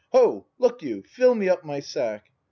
] Ho! look you, fill me up my sack!